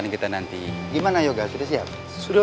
cari bengkel juga jauh